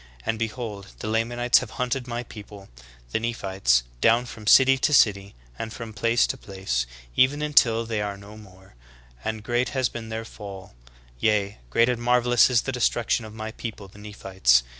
And behold, the La manites have liunted my people, the Nephites, down from city to city, and from place to place, even until they are no more, and great has been their fall : yea, great and mar velous is the destruction of my people, the Nephites.